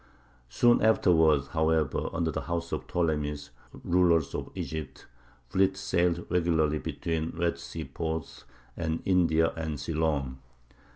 Soon afterward, however, under the house of the Ptolemies, rulers of Egypt, fleets sailed regularly between Red Sea ports and India and Ceylon.